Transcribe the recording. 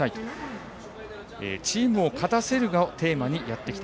チームを勝たせるをテーマにやってきた。